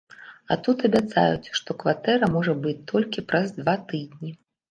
А тут абяцаюць, што кватэра можа быць толькі праз два тыдні.